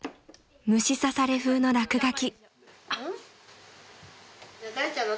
虫刺され風の落書き］